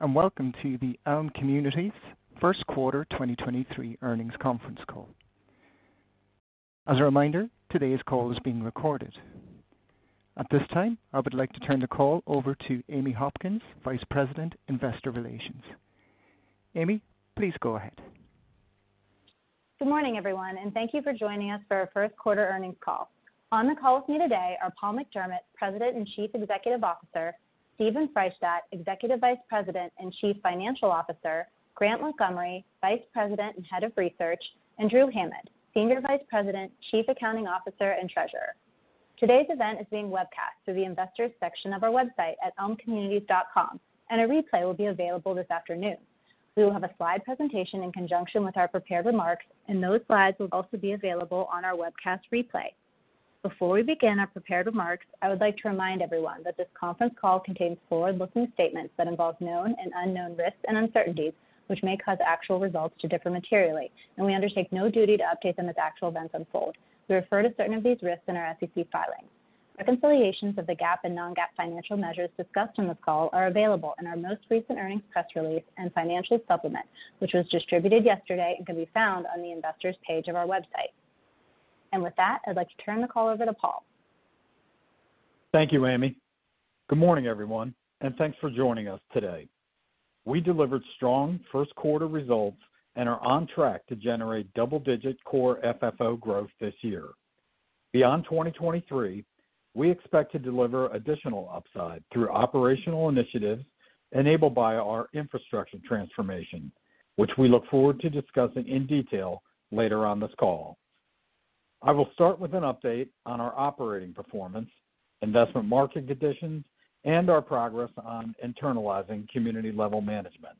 Welcome to the Elme Communities first quarter 2023 earnings conference call. As a reminder, today's call is being recorded. At this time, I would like to turn the call over to Amy Hopkins, Vice President, Investor Relations. Amy, please go ahead. Good morning, everyone, thank you for joining us for our first quarter earnings call. On the call with me today are Paul McDermott, President and Chief Executive Officer, Steven Freishtat, Executive Vice President and Chief Financial Officer, Grant Montgomery, Vice President and Head of Research, and Drew Hammett, Senior Vice President, Chief Accounting Officer, and Treasurer. Today's event is being webcast through the investors section of our website at elmecommunities.com, and a replay will be available this afternoon. We will have a slide presentation in conjunction with our prepared remarks, and those slides will also be available on our webcast replay. Before we begin our prepared remarks, I would like to remind everyone that this conference call contains forward-looking statements that involve known and unknown risks and uncertainties, which may cause actual results to differ materially, and we undertake no duty to update them as actual events unfold. We refer to certain of these risks in our SEC filings. Reconciliations of the GAAP and non-GAAP financial measures discussed on this call are available in our most recent earnings press release and financial supplement, which was distributed yesterday and can be found on the investors page of our website. With that, I'd like to turn the call over to Paul. Thank you, Amy. Good morning, everyone, thanks for joining us today. We delivered strong first quarter results and are on track to generate double-digit Core FFO growth this year. Beyond 2023, we expect to deliver additional upside through operational initiatives enabled by our infrastructure transformation, which we look forward to discussing in detail later on this call. I will start with an update on our operating performance, investment market conditions, and our progress on internalizing community-level management.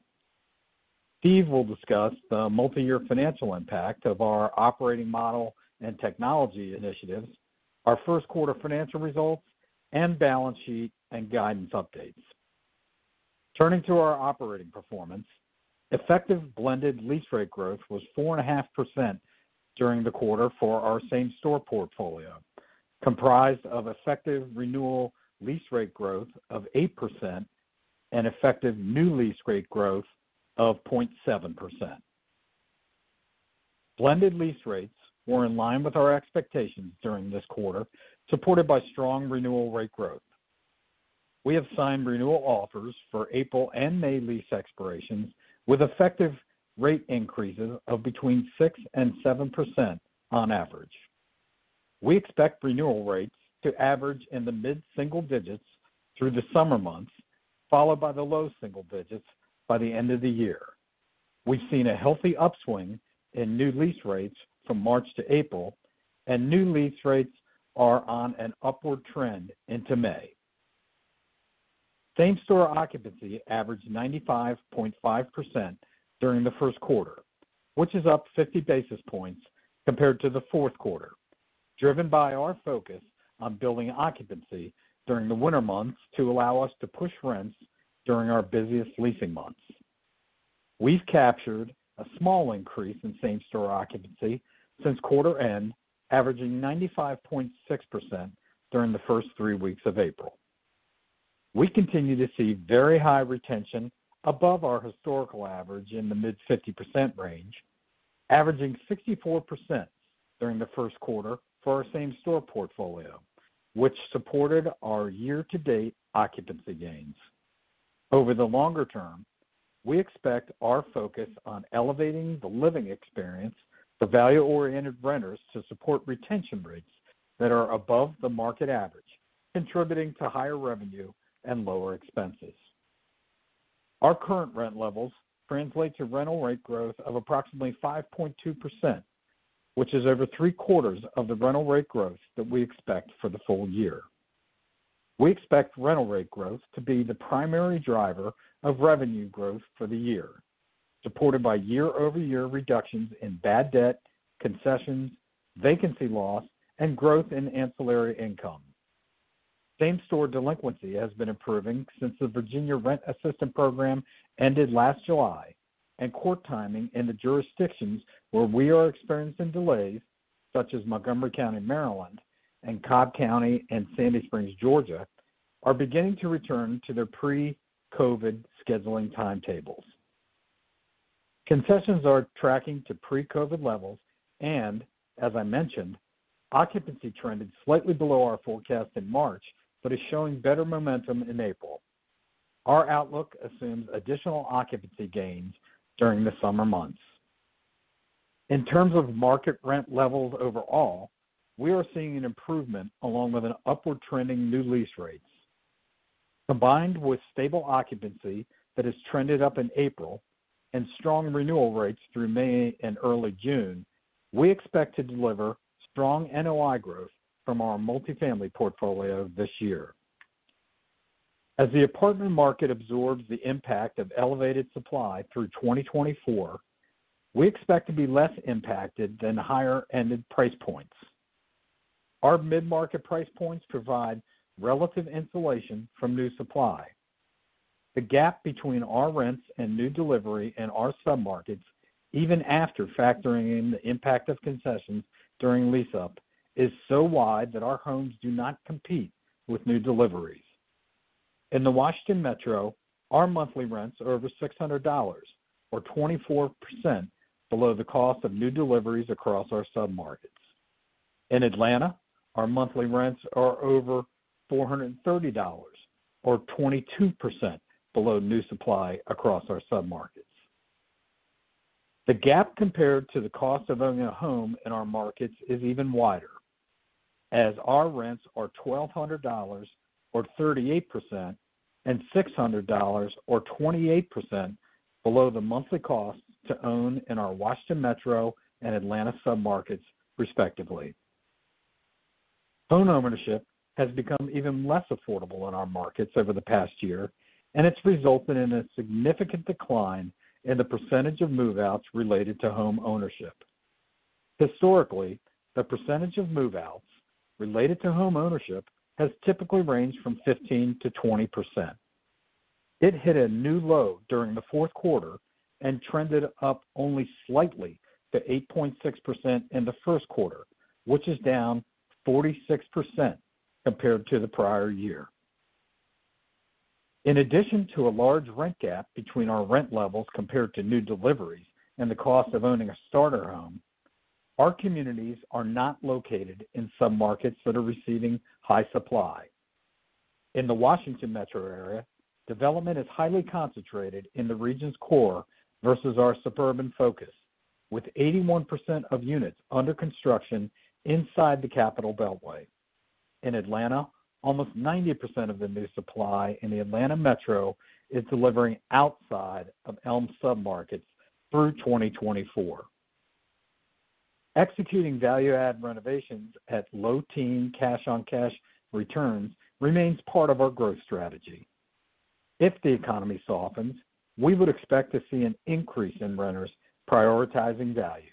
Steve will discuss the multiyear financial impact of our operating model and technology initiatives, our first quarter financial results, and balance sheet and guidance updates. Turning to our operating performance, effective blended lease rate growth was 4.5% during the quarter for our same-store portfolio, comprised of effective renewal lease rate growth of 8% and effective new lease rate growth of 0.7%. Blended lease rates were in line with our expectations during this quarter, supported by strong renewal rate growth. We have signed renewal offers for April and May lease expirations with effective rate increases of between 6%-7% on average. We expect renewal rates to average in the mid-single digits through the summer months, followed by the low single digits by the end of the year. We've seen a healthy upswing in new lease rates from March to April, and new lease rates are on an upward trend into May. Same-store occupancy averaged 95.5% during the first quarter, which is up 50 basis points compared to the fourth quarter, driven by our focus on building occupancy during the winter months to allow us to push rents during our busiest leasing months. We've captured a small increase in same-store occupancy since quarter end, averaging 95.6% during the first three weeks of April. We continue to see very high retention above our historical average in the mid-50% range, averaging 64% during the first quarter for our same-store portfolio, which supported our year-to-date occupancy gains. Over the longer term, we expect our focus on elevating the living experience for value-oriented renters to support retention rates that are above the market average, contributing to higher revenue and lower expenses. Our current rent levels translate to rental rate growth of approximately 5.2%, which is over three-quarters of the rental rate growth that we expect for the full year. We expect rental rate growth to be the primary driver of revenue growth for the year, supported by year-over-year reductions in bad debt, concessions, vacancy loss, and growth in ancillary income. Same-store delinquency has been improving since the Virginia Rent Relief Program ended last July, and court timing in the jurisdictions where we are experiencing delays, such as Montgomery County, Maryland, and Cobb County and Sandy Springs, Georgia, are beginning to return to their pre-COVID scheduling timetables. Concessions are tracking to pre-COVID levels, and as I mentioned, occupancy trended slightly below our forecast in March but is showing better momentum in April. Our outlook assumes additional occupancy gains during the summer months. In terms of market rent levels overall, we are seeing an improvement along with an upward trending new lease rates. Combined with stable occupancy that has trended up in April and strong renewal rates through May and early June, we expect to deliver strong NOI growth from our multifamily portfolio this year. As the apartment market absorbs the impact of elevated supply through 2024, we expect to be less impacted than higher-ended price points. Our mid-market price points provide relative insulation from new supply. The gap between our rents and new delivery in our submarkets even after factoring in the impact of concessions during lease-up is so wide that our homes do not compete with new deliveries. In the Washington Metro, our monthly rents are over $600 or 24% below the cost of new deliveries across our submarkets. In Atlanta, our monthly rents are over $430 or 22% below new supply across our submarkets. The gap compared to the cost of owning a home in our markets is even wider, as our rents are $1,200 or 38% and $600 or 28% below the monthly costs to own in our Washington Metro and Atlanta submarkets, respectively. Homeownership has become even less affordable in our markets over the past year, and it's resulted in a significant decline in the percentage of move-outs related to homeownership. Historically, the percentage of move-outs related to homeownership has typically ranged from 15%-20%. It hit a new low during the fourth quarter and trended up only slightly to 8.6% in the first quarter, which is down 46% compared to the prior year. In addition to a large rent gap between our rent levels compared to new deliveries and the cost of owning a starter home, our communities are not located in submarkets that are receiving high supply. In the Washington Metro area, development is highly concentrated in the region's core versus our suburban focus, with 81% of units under construction inside the Capital Beltway. In Atlanta, almost 90% of the new supply in the Atlanta Metro is delivering outside of Elme submarkets through 2024. Executing value add renovations at low teen cash-on-cash returns remains part of our growth strategy. If the economy softens, we would expect to see an increase in renters prioritizing value.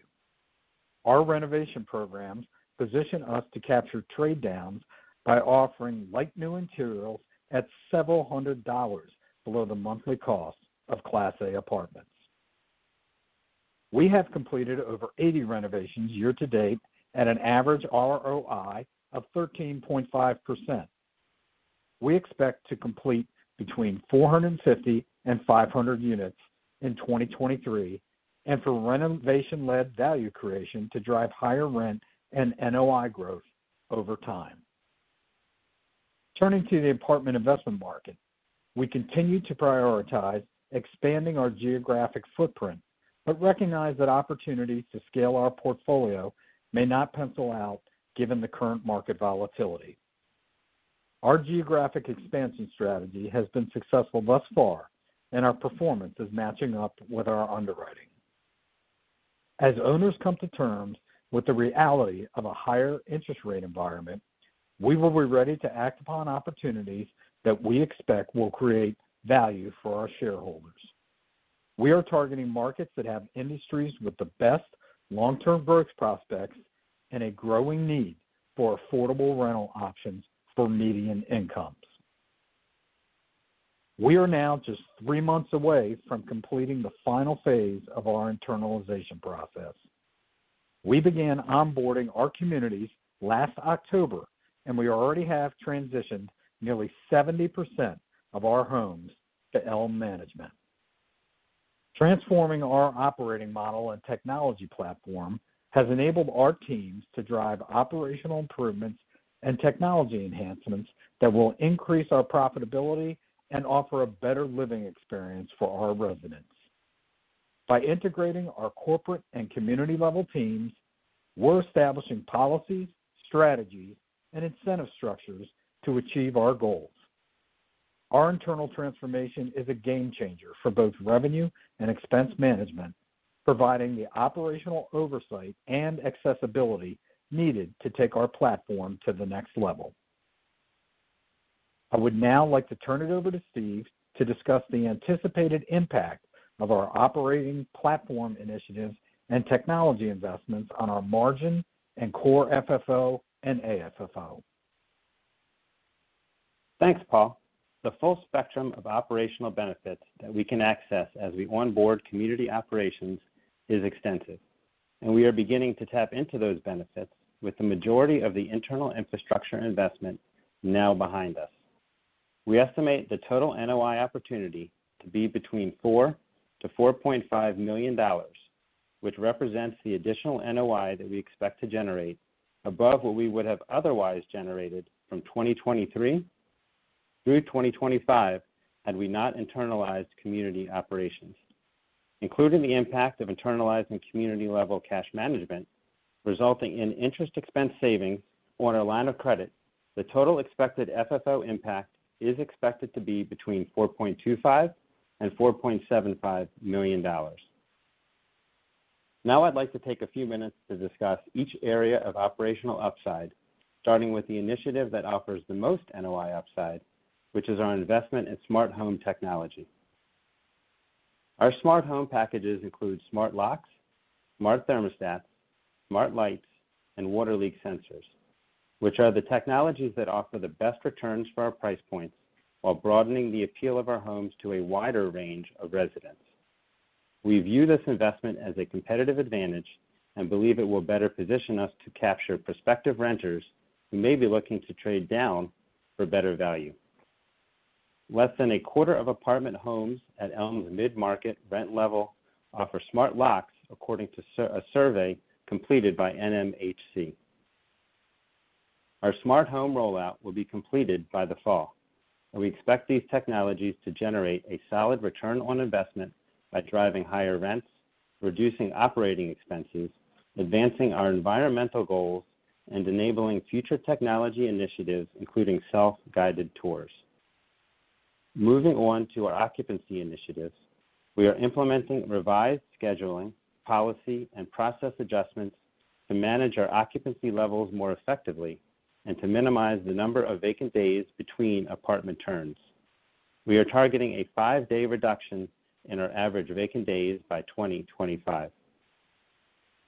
Our renovation programs position us to capture trade-downs by offering like-new materials at several hundred dollars below the monthly cost of Class A apartments. We have completed over 80 renovations year-to-date at an average ROI of 13.5%. We expect to complete between 450 and 500 units in 2023 and for renovation-led value creation to drive higher rent and NOI growth over time. Turning to the apartment investment market, we continue to prioritize expanding our geographic footprint, but recognize that opportunities to scale our portfolio may not pencil out given the current market volatility. Our geographic expansion strategy has been successful thus far, and our performance is matching up with our underwriting. As owners come to terms with the reality of a higher interest rate environment, we will be ready to act upon opportunities that we expect will create value for our shareholders. We are targeting markets that have industries with the best long-term growth prospects and a growing need for affordable rental options for median incomes. We are now just three months away from completing the final phase of our internalization process. We began onboarding our communities last October, we already have transitioned nearly 70% of our homes to Elme Management. Transforming our operating model and technology platform has enabled our teams to drive operational improvements and technology enhancements that will increase our profitability and offer a better living experience for our residents. By integrating our corporate and community-level teams, we're establishing policies, strategies, and incentive structures to achieve our goals. Our internal transformation is a game-changer for both revenue and expense management, providing the operational oversight and accessibility needed to take our platform to the next level. I would now like to turn it over to Steve to discuss the anticipated impact of our operating platform initiatives and technology investments on our margin and Core FFO and AFFO. Thanks, Paul. The full spectrum of operational benefits that we can access as we onboard community operations is extensive, and we are beginning to tap into those benefits with the majority of the internal infrastructure investment now behind us. We estimate the total NOI opportunity to be between $4 million-$4.5 million, which represents the additional NOI that we expect to generate above what we would have otherwise generated from 2023 through 2025 had we not internalized community operations. Including the impact of internalizing community-level cash management, resulting in interest expense savings on our line of credit, the total expected FFO impact is expected to be between $4.25 million and $4.75 million. Now I'd like to take a few minutes to discuss each area of operational upside, starting with the initiative that offers the most NOI upside, which is our investment in smart home technology. Our smart home packages include smart locks, smart thermostats, smart lights, and water leak sensors, which are the technologies that offer the best returns for our price points while broadening the appeal of our homes to a wider range of residents. We view this investment as a competitive advantage and believe it will better position us to capture prospective renters who may be looking to trade down for better value. Less than a quarter of apartment homes at Elme's mid-market rent level offer smart locks according to a survey completed by NMHC. Our smart home rollout will be completed by the fall, and we expect these technologies to generate a solid return on investment by driving higher rents, reducing operating expenses, advancing our environmental goals, and enabling future technology initiatives, including self-guided tours. Moving on to our occupancy initiatives. We are implementing revised scheduling, policy, and process adjustments to manage our occupancy levels more effectively and to minimize the number of vacant days between apartment turns. We are targeting a five-day reduction in our average vacant days by 2025.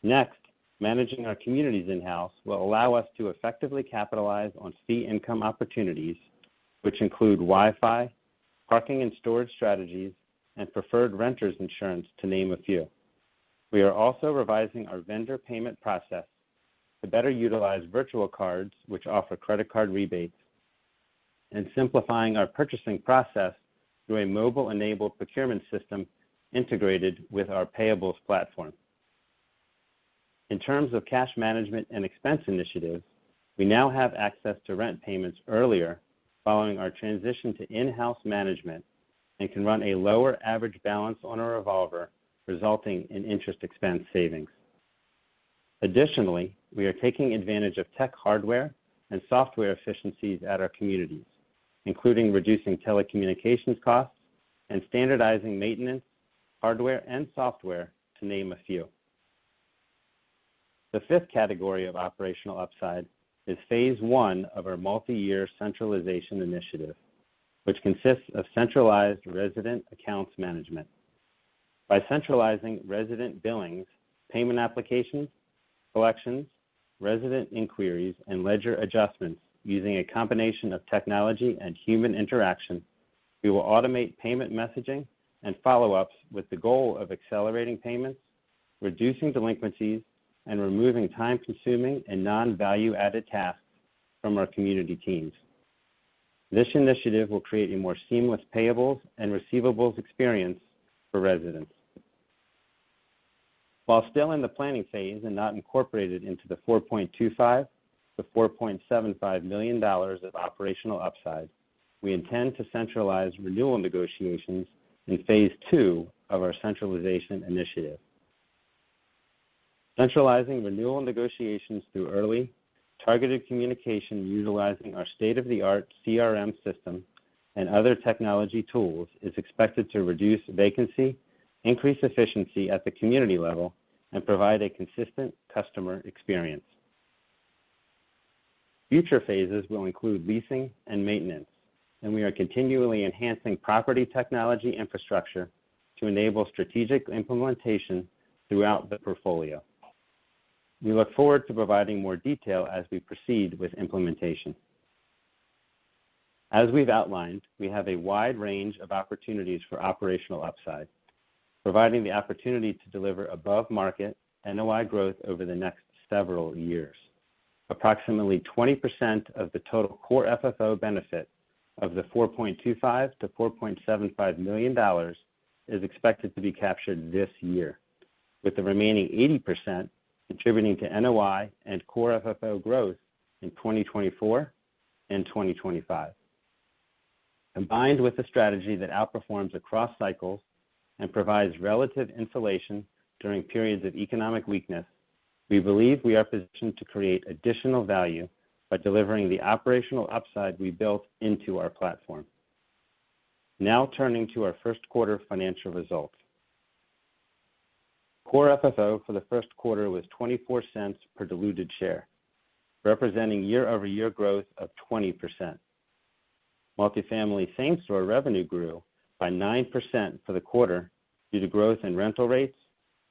Next, managing our communities in-house will allow us to effectively capitalize on fee income opportunities, which include Wi-Fi, parking and storage strategies, and preferred renters insurance, to name a few. We are also revising our vendor payment process to better utilize virtual cards which offer credit card rebates, simplifying our purchasing process through a mobile-enabled procurement system integrated with our payables platform. In terms of cash management and expense initiatives, we now have access to rent payments earlier following our transition to in-house management and can run a lower average balance on our revolver, resulting in interest expense savings. We are taking advantage of tech hardware and software efficiencies at our communities, including reducing telecommunications costs and standardizing maintenance, hardware, and software to name a few. The fifth category of operational upside is phase one of our multiyear centralization initiative, which consists of centralized resident accounts management. By centralizing resident billings, payment applications, collections, resident inquiries, and ledger adjustments using a combination of technology and human interaction, we will automate payment messaging and follow-ups with the goal of accelerating payments, reducing delinquencies, and removing time-consuming and non-value-added tasks from our community teams. This initiative will create a more seamless payables and receivables experience for residents. While still in the planning phase and not incorporated into the $4.25 million-$4.75 million of operational upside, we intend to centralize renewal negotiations in phase two of our centralization initiative. Centralizing renewal negotiations through early targeted communication utilizing our state-of-the-art CRM system and other technology tools is expected to reduce vacancy, increase efficiency at the community level, and provide a consistent customer experience. Future phases will include leasing and maintenance, and we are continually enhancing property technology infrastructure to enable strategic implementation throughout the portfolio. We look forward to providing more detail as we proceed with implementation. As we've outlined, we have a wide range of opportunities for operational upside, providing the opportunity to deliver above-market NOI growth over the next several years. Approximately 20% of the total Core FFO benefit of $4.25 million-$4.75 million is expected to be captured this year, with the remaining 80% contributing to NOI and Core FFO growth in 2024 and 2025. Combined with a strategy that outperforms across cycles and provides relative insulation during periods of economic weakness, we believe we are positioned to create additional value by delivering the operational upside we built into our platform. Turning to our first quarter financial results. Core FFO for the first quarter was $0.24 per diluted share, representing year-over-year growth of 20%. Multifamily same-store revenue grew by 9% for the quarter due to growth in rental rates,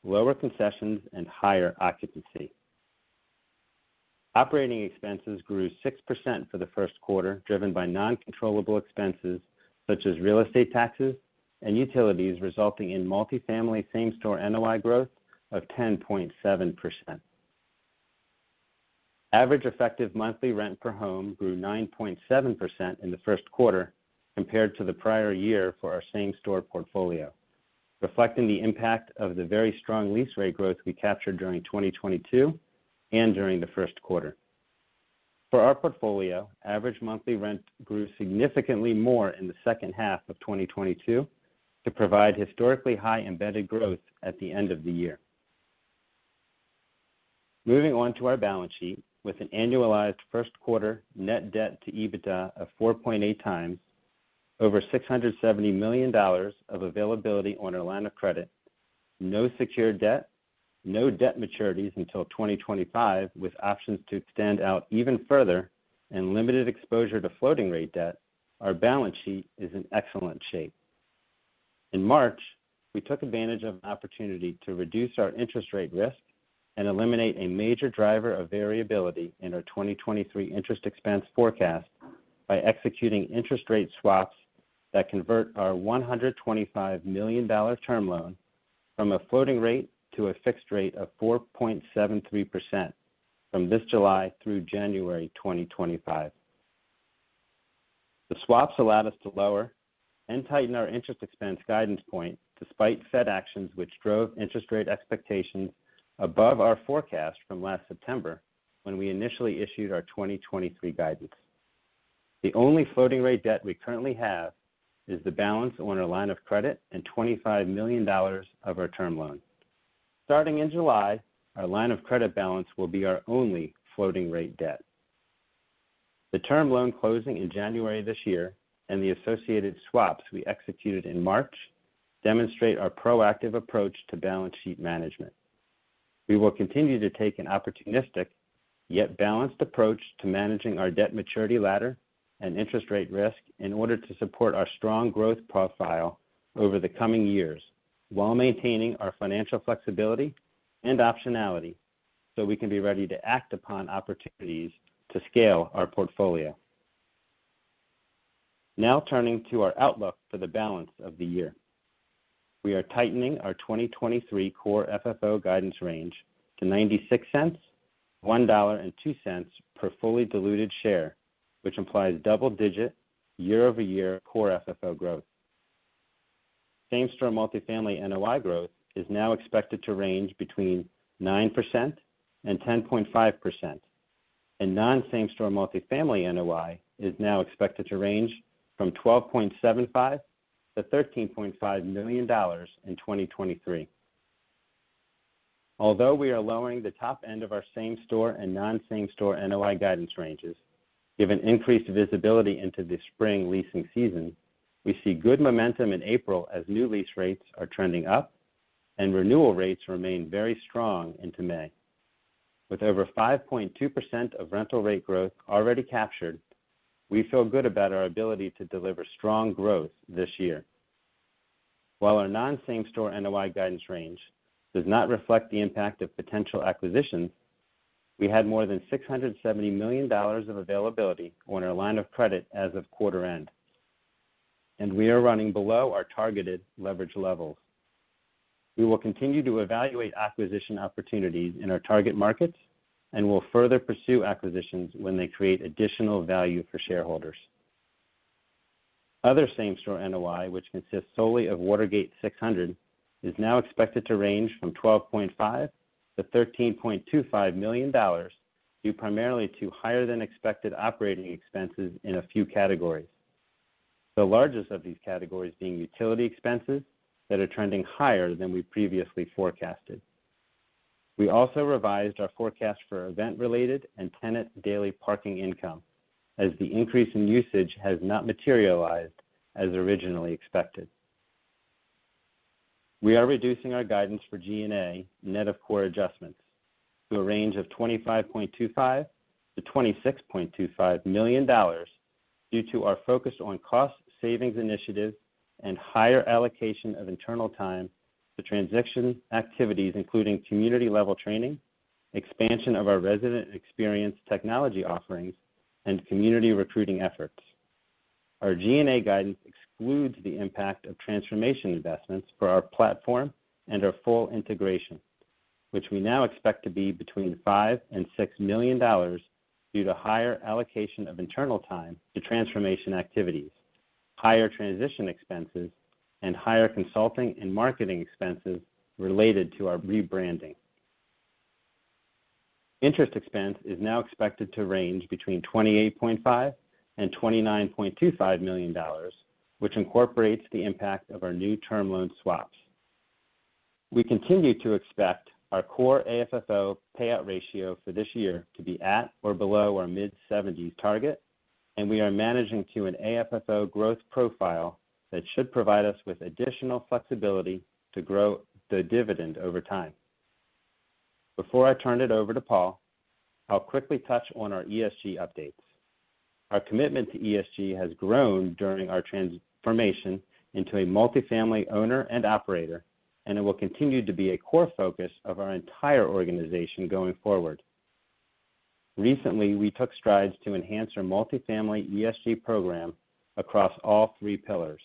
lower concessions, and higher occupancy. Operating expenses grew 6% for the first quarter, driven by non-controllable expenses such as real estate taxes and utilities, resulting in multifamily same-store NOI growth of 10.7%. Average effective monthly rent per home grew 9.7% in the first quarter compared to the prior year for our same-store portfolio, reflecting the impact of the very strong lease rate growth we captured during 2022 and during the first quarter. For our portfolio, average monthly rent grew significantly more in the second half of 2022 to provide historically high embedded growth at the end of the year. Moving on to our balance sheet. With an annualized first quarter net debt to EBITDA of 4.8 times over $670 million of availability on our line of credit, no secured debt, no debt maturities until 2025, with options to extend out even further, and limited exposure to floating rate debt, our balance sheet is in excellent shape. In March, we took advantage of an opportunity to reduce our interest rate risk and eliminate a major driver of variability in our 2023 interest expense forecast by executing interest rate swaps that convert our $125 million term loan from a floating rate to a fixed rate of 4.73% from this July through January 2025. The swaps allowed us to lower and tighten our interest expense guidance point despite Fed actions which drove interest rate expectations above our forecast from last September when we initially issued our 2023 guidance. The only floating rate debt we currently have is the balance on our line of credit and $25 million of our term loan. Starting in July, our line of credit balance will be our only floating rate debt. The term loan closing in January this year and the associated swaps we executed in March demonstrate our proactive approach to balance sheet management. We will continue to take an opportunistic yet balanced approach to managing our debt maturity ladder and interest rate risk in order to support our strong growth profile over the coming years while maintaining our financial flexibility and optionality so we can be ready to act upon opportunities to scale our portfolio. Turning to our outlook for the balance of the year. We are tightening our 2023 Core FFO guidance range to $0.96-$1.02 per fully diluted share, which implies double-digit year-over-year Core FFO growth. Same-store multifamily NOI growth is now expected to range between 9% and 10.5%, and non-same-store multifamily NOI is now expected to range from $12.75 million-$13.5 million in 2023. Although we are lowering the top end of our same-store and non-same-store NOI guidance ranges, given increased visibility into the spring leasing season, we see good momentum in April as new lease rates are trending up and renewal rates remain very strong into May. With over 5.2% of rental rate growth already captured, we feel good about our ability to deliver strong growth this year. While our non-same-store NOI guidance range does not reflect the impact of potential acquisitions, we had more than $670 million of availability on our line of credit as of quarter end. We are running below our targeted leverage levels. We will continue to evaluate acquisition opportunities in our target markets and will further pursue acquisitions when they create additional value for shareholders. Other same-store NOI, which consists solely of Watergate 600, is now expected to range from $12.5 million-$13.25 million due primarily to higher than expected operating expenses in a few categories. The largest of these categories being utility expenses that are trending higher than we previously forecasted. We also revised our forecast for event-related and tenant daily parking income as the increase in usage has not materialized as originally expected. We are reducing our guidance for G&A net of core adjustments to a range of $25.25 million-$26.25 million due to our focus on cost savings initiatives and higher allocation of internal time to transaction activities, including community level training, expansion of our resident experience technology offerings, and community recruiting efforts. Our G&A guidance excludes the impact of transformation investments for our platform and our full integration, which we now expect to be between $5 million-$6 million due to higher allocation of internal time to transformation activities, higher transition expenses, and higher consulting and marketing expenses related to our rebranding. Interest expense is now expected to range between $28.5 million and $29.25 million, which incorporates the impact of our new term loan swaps. We continue to expect our core AFFO payout ratio for this year to be at or below our mid-70s target. We are managing to an AFFO growth profile that should provide us with additional flexibility to grow the dividend over time. Before I turn it over to Paul, I'll quickly touch on our ESG updates. Our commitment to ESG has grown during our transformation into a multifamily owner and operator. It will continue to be a core focus of our entire organization going forward. Recently, we took strides to enhance our multifamily ESG program across all three pillars.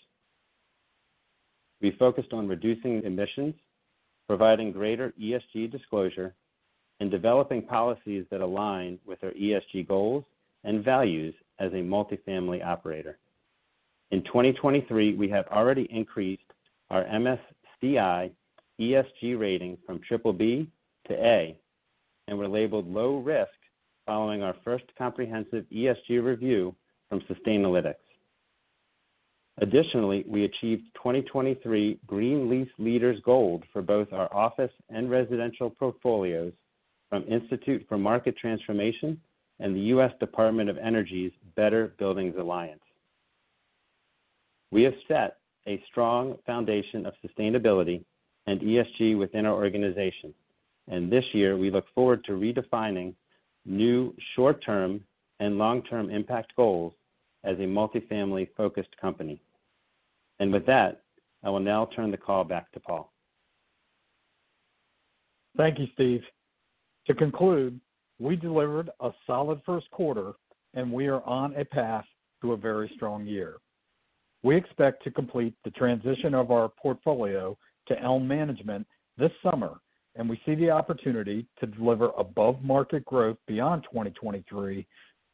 We focused on reducing emissions, providing greater ESG disclosure, and developing policies that align with our ESG goals and values as a multifamily operator. In 2023, we have already increased our MSCI ESG rating from triple B to A and were labeled low risk following our first comprehensive ESG review from Sustainalytics. Additionally, we achieved 2023 Green Lease Leaders Gold for both our office and residential portfolios from Institute for Market Transformation and the U.S. Department of Energy's Better Buildings Alliance. We have set a strong foundation of sustainability and ESG within our organization. This year, we look forward to redefining new short-term and long-term impact goals as a multifamily focused company. With that, I will now turn the call back to Paul. Thank you, Steve. To conclude, we delivered a solid first quarter. We are on a path to a very strong year. We expect to complete the transition of our portfolio to Elme Management this summer. We see the opportunity to deliver above-market growth beyond 2023,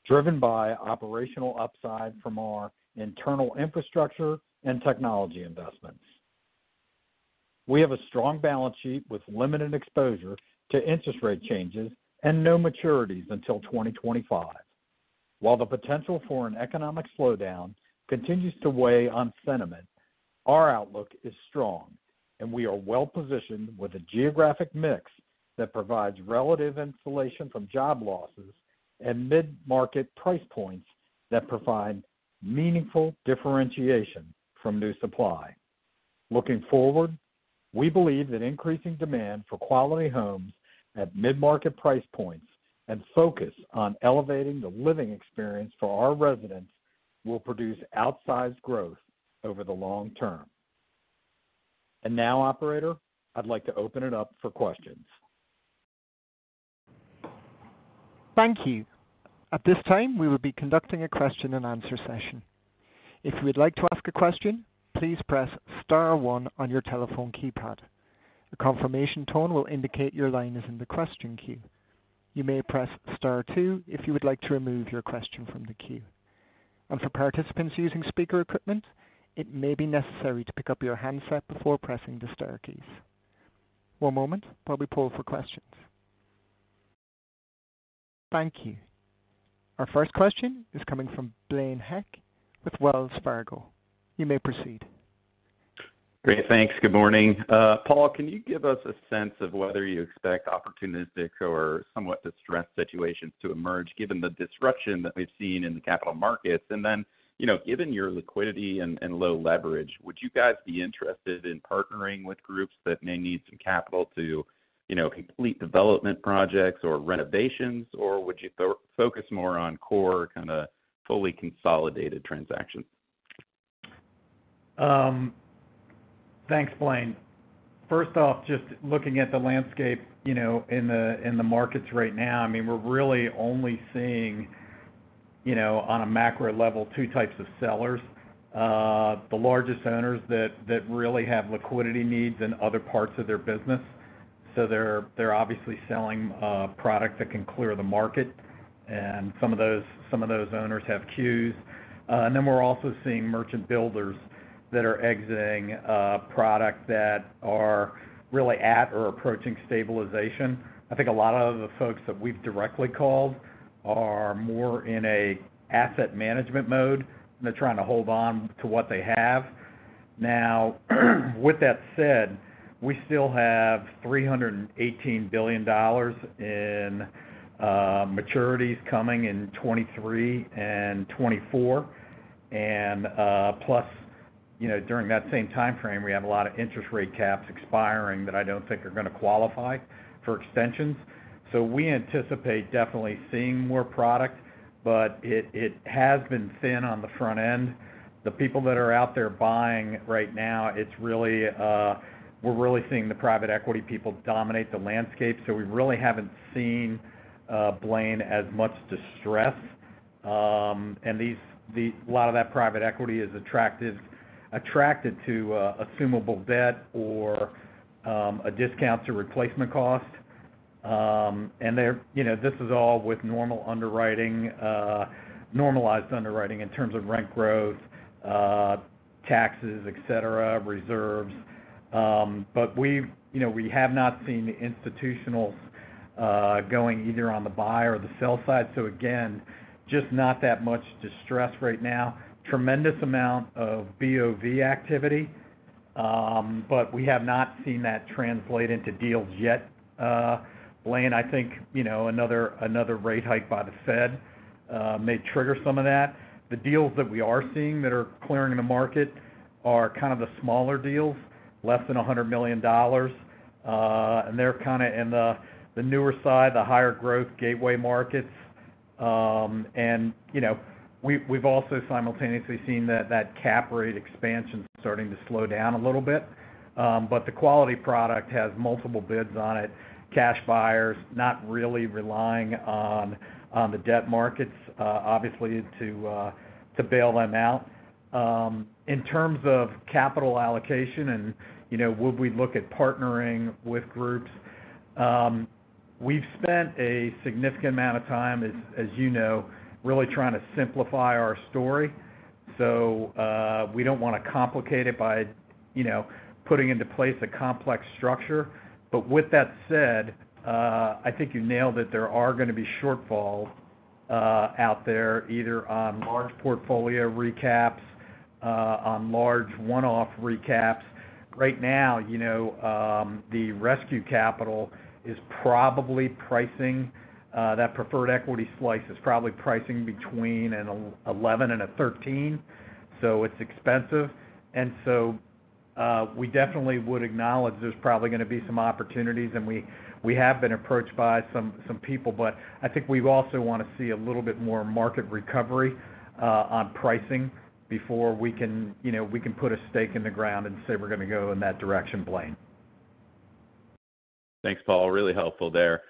driven by operational upside from our internal infrastructure and technology investments. We have a strong balance sheet with limited exposure to interest rate changes and no maturities until 2025. While the potential for an economic slowdown continues to weigh on sentiment, our outlook is strong. We are well-positioned with a geographic mix that provides relative insulation from job losses and mid-market price points that provide meaningful differentiation from new supply. Looking forward, we believe that increasing demand for quality homes at mid-market price points and focus on elevating the living experience for our residents will produce outsized growth over the long term. Now, operator, I'd like to open it up for questions. Thank you. At this time, we will be conducting a question-and-answer session. If you would like to ask a question, please press star one on your telephone keypad. A confirmation tone will indicate your line is in the question queue. You may press star two if you would like to remove your question from the queue. For participants using speaker equipment, it may be necessary to pick up your handset before pressing the star keys. One moment while we poll for questions. Thank you. Our first question is coming from Blaine Heck with Wells Fargo. You may proceed. Great. Thanks. Good morning. Paul, can you give us a sense of whether you expect opportunistic or somewhat distressed situations to emerge given the disruption that we've seen in the capital markets? Then, you know, given your liquidity and low leverage, would you guys be interested in partnering with groups that may need some capital to, you know, complete development projects or renovations, or would you focus more on core kind of fully consolidated transactions? Thanks, Blaine. First off, just looking at the landscape, you know, in the markets right now, I mean, we're really only seeing, you know, on a macro level, two types of sellers. The largest owners that really have liquidity needs in other parts of their business. They're obviously selling product that can clear the market, and some of those owners have Q's. Then we're also seeing merchant builders that are exiting products that are really at or approaching stabilization. I think a lot of the folks that we've directly called are more in a asset management mode, and they're trying to hold on to what they have. Now, with that said, we still have $318 billion in maturities coming in 2023 and 2024. Plus, you know, during that same timeframe, we have a lot of interest rate caps expiring that I don't think are gonna qualify for extensions. We anticipate definitely seeing more product, but it has been thin on the front end. The people that are out there buying right now, we're really seeing the private equity people dominate the landscape. We really haven't seen, Blaine, as much distress. A lot of that private equity is attracted to assumable debt or a discount to replacement cost. And they're, you know, this is all with normal underwriting, normalized underwriting in terms of rent growth, taxes, et cetera, reserves. But we've, you know, we have not seen the institutionals going either on the buy or the sell side. Again, just not that much distress right now. Tremendous amount of BOV activity, but we have not seen that translate into deals yet, Blaine. I think, you know, another rate hike by the Fed may trigger some of that. The deals that we are seeing that are clearing in the market are kind of the smaller deals, less than $100 million, and they're kind of in the newer side, the higher growth gateway markets. You know, we've also simultaneously seen that cap rate expansion starting to slow down a little bit. The quality product has multiple bids on it, cash buyers not really relying on the debt markets, obviously to bail them out. In terms of capital allocation and, you know, would we look at partnering with groups? We've spent a significant amount of time, as you know, really trying to simplify our story. We don't wanna complicate it by, you know, putting into place a complex structure. With that said, I think you nailed it. There are gonna be shortfalls out there, either on large portfolio recaps, on large one-off recaps. Right now, you know, the rescue capital is probably pricing that preferred equity slice is probably pricing between an 11% and 13%, so it's expensive. We definitely would acknowledge there's probably gonna be some opportunities, and we have been approached by some people. I think we also wanna see a little bit more market recovery on pricing before we can, you know, we can put a stake in the ground and say we're gonna go in that direction, Blaine. Thanks, Paul. Really helpful there.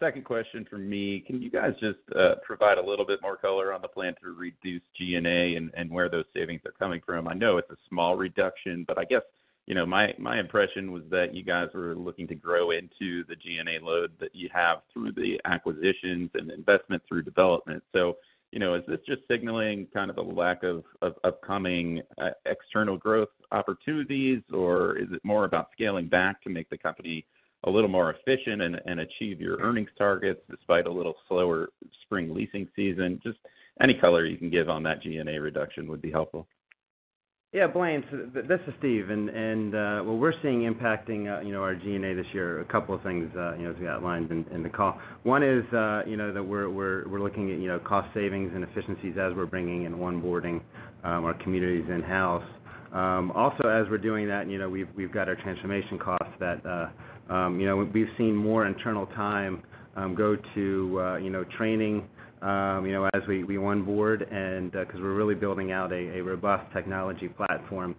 Second question from me. Can you guys just provide a little bit more color on the plan to reduce G&A and where those savings are coming from? I know it's a small reduction, but I guess, you know, my impression was that you guys were looking to grow into the G&A load that you have through the acquisitions and investment through development. You know, is this just signaling kind of a lack of upcoming external growth opportunities, or is it more about scaling back to make the company a little more efficient and achieve your earnings targets despite a little slower spring leasing season? Just any color you can give on that G&A reduction would be helpful. Blaine, this is Steve. What we're seeing impacting, you know, our G&A this year are a couple of things, you know, as we outlined in the call. One is, you know, that we're looking at, you know, cost savings and efficiencies as we're bringing and onboarding our communities in-house. Also, as we're doing that, you know, we've got our transformation costs that, you know, we've seen more internal time go to, you know, training, you know, as we onboard and, 'cause we're really building out a robust technology platform,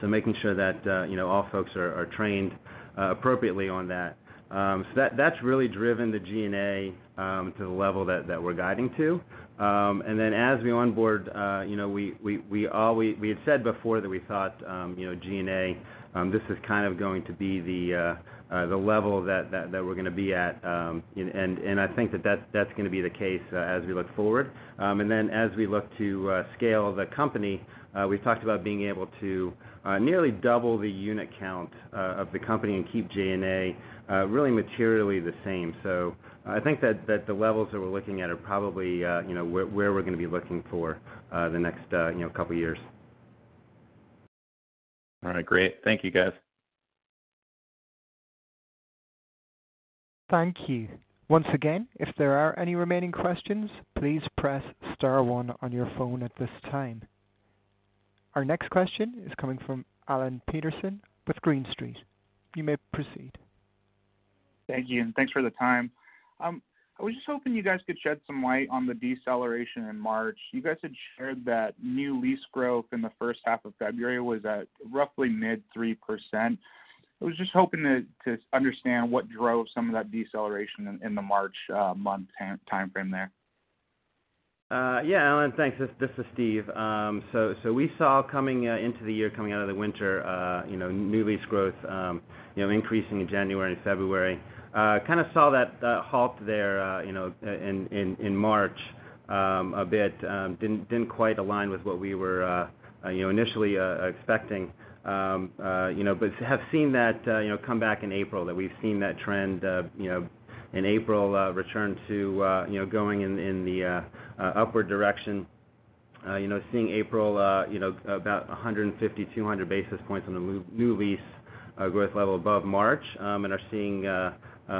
so making sure that, you know, all folks are trained appropriately on that. So that's really driven the G&A to the level that we're guiding to. Then as we onboard, you know, we had said before that we thought, you know, G&A, this is kind of going to be the level that we're gonna be at, and I think that that's gonna be the case, as we look forward. Then as we look to scale the company, we've talked about being able to nearly double the unit count of the company and keep G&A really materially the same. I think that the levels that we're looking at are probably, you know, where we're gonna be looking for the next, you know, couple years. All right. Great. Thank you, guys. Thank you. Once again, if there are any remaining questions, please press star one on your phone at this time. Our next question is coming from Alan Peterson with Green Street. You may proceed. Thank you, and thanks for the time. I was just hoping you guys could shed some light on the deceleration in March. You guys had shared that new lease growth in the first half of February was at roughly mid 3%. I was just hoping to understand what drove some of that deceleration in the March month time timeframe there. Yeah, Alan, thanks. This is Steve. We saw coming into the year, coming out of the winter, you know, new lease growth, you know, increasing in January and February. Kind of saw that halt there, you know, in March a bit. Didn't quite align with what we were, you know, initially expecting. You know, but have seen that, you know, come back in April, that we've seen that trend, you know, in April return to, you know, going in the upward direction. You know, seeing April, you know, about 150, 200 basis points on the new lease growth level above March, and are seeing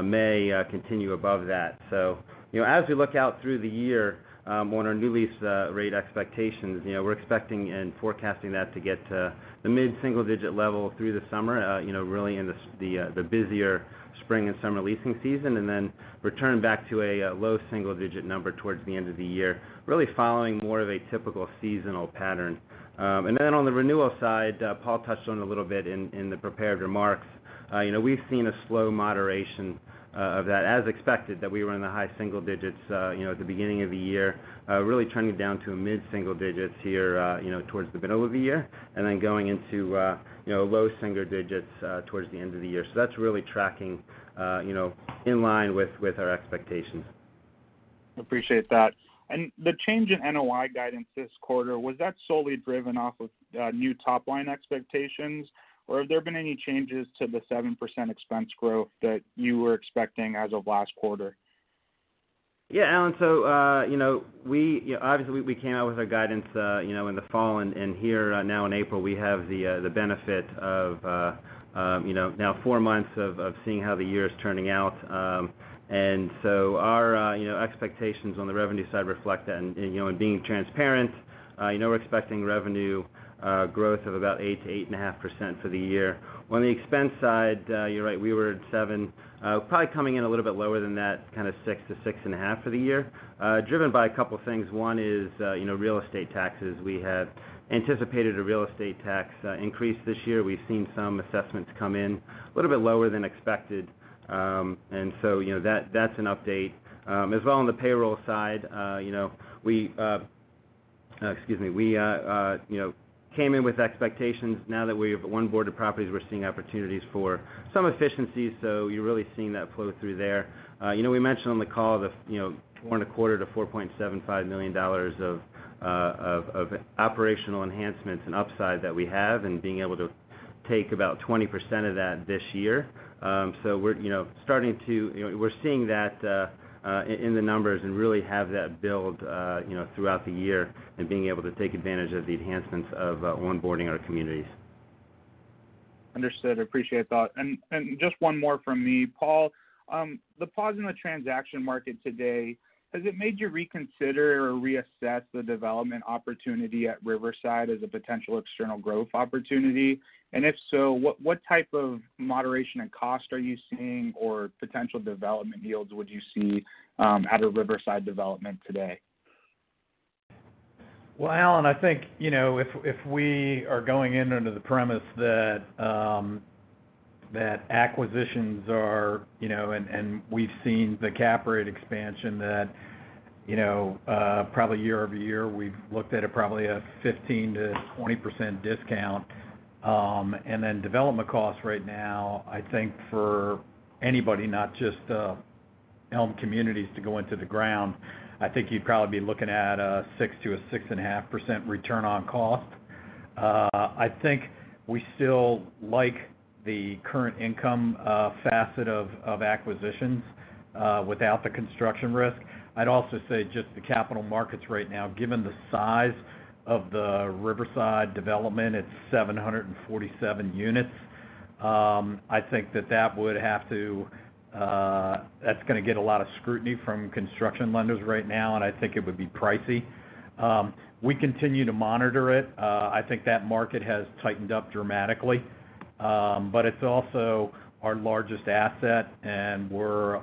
May continue above that. You know, as we look out through the year, on our new lease rate expectations, you know, we're expecting and forecasting that to get to the mid single-digit level through the summer, you know, really in the busier spring and summer leasing season. Return back to a low single-digit number towards the end of the year, really following more of a typical seasonal pattern. On the renewal side, Paul touched on a little bit in the prepared remarks. you know, we've seen a slow moderation of that, as expected, that we were in the high single digits, you know, at the beginning of the year, really turning down to mid single digits here, you know, towards the middle of the year, and then going into, you know, low single digits towards the end of the year. That's really tracking, you know, in line with our expectations. Appreciate that. The change in NOI guidance this quarter, was that solely driven off of, new top line expectations, or have there been any changes to the 7% expense growth that you were expecting as of last quarter? Yeah, Alan. You know, we, obviously we came out with our guidance, you know, in the fall, and here now in April, we have the benefit of, you know, now four months of seeing how the year is turning out. Our, you know, expectations on the revenue side reflect that. You know, and being transparent, you know, we're expecting revenue growth of about 8%-8.5% for the year. On the expense side, you're right, we were at 7%, probably coming in a little bit lower than that, kind of 6%-6.5% for the year, driven by a couple things. One is, you know, real estate taxes. We had anticipated a real estate tax increase this year. We've seen some assessments come in a little bit lower than expected. You know, that's an update. As well on the payroll side, you know, we, excuse me. We, you know, came in with expectations. Now that we've onboarded properties, we're seeing opportunities for some efficiencies, you're really seeing that flow through there. You know, we mentioned on the call the, you know, four and a quarter to $4.75 million of operational enhancements and upside that we have and being able to take about 20% of that this year. We're, you know, we're seeing that in the numbers and really have that build, you know, throughout the year and being able to take advantage of the enhancements of onboarding our communities. Understood. Appreciate that. Just one more from me, Paul. The pause in the transaction market today, has it made you reconsider or reassess the development opportunity at Riverside as a potential external growth opportunity? If so, what type of moderation and cost are you seeing or potential development yields would you see out of Riverside development today? Well, Alan, I think, you know, if we are going in under the premise that acquisitions are, you know, and we've seen the cap rate expansion that, you know, probably year-over-year, we've looked at it probably a 15%-20% discount. Development costs right now, I think for anybody, not just Elme Communities to go into the ground, I think you'd probably be looking at a 6% to a 6.5% return on cost. I think we still like the current income of acquisitions without the construction risk. I'd also say just the capital markets right now, given the size of the Riverside development at 747 units, I think that that would have to, that's gonna get a lot of scrutiny from construction lenders right now, and I think it would be pricey. We continue to monitor it. I think that market has tightened up dramatically. It's also our largest asset, and we're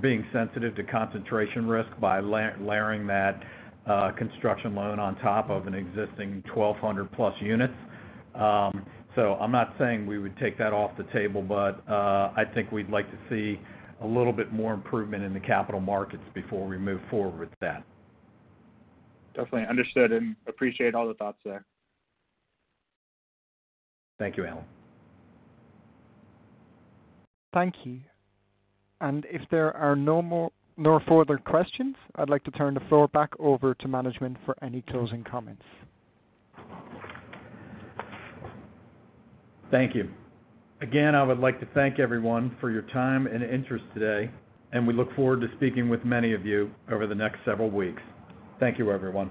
being sensitive to concentration risk by layering that construction loan on top of an existing 1,200 plus units. I'm not saying we would take that off the table, but, I think we'd like to see a little bit more improvement in the capital markets before we move forward with that. Definitely understood and appreciate all the thoughts there. Thank you, Alan. Thank you. If there are no further questions, I'd like to turn the floor back over to management for any closing comments. Thank you. I would like to thank everyone for your time and interest today, and we look forward to speaking with many of you over the next several weeks. Thank you, everyone.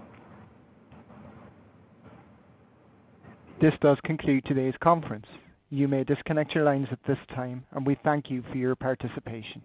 This does conclude today's conference. You may disconnect your lines at this time, and we thank you for your participation.